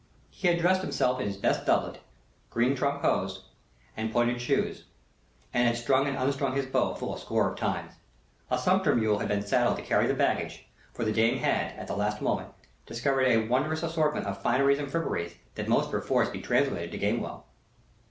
He had dressed himself in his best doublet, green trunk hose, and pointed shoes, and had strung and unstrung his bow full a score of times. A sumpter mule had been saddled to carry the baggage, for the dame had, at the last moment, discovered a wondrous assortment of fineries and fripperies that most perforce be translated to Gamewell.